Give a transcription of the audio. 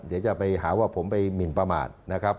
เดี๋ยวจะไปหาว่าผมไปหมินประมาทนะครับ